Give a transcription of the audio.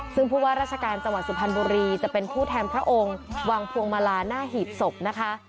ซึ่งผู้ว่าราชการจังหวัดสุพรรณบุรีจะเป็นผู้แทนพระองค์วางพวงมาลาหน้าหีบศพนะคะ